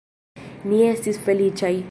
Ni estis feliĉaj.